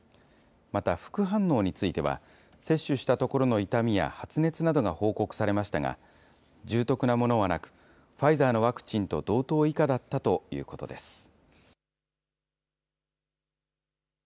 また、副反応については、接種したところの痛みや発熱などが報告されましたが、重篤なものはなく、ファイザーのワクチンと同等以下だったということです。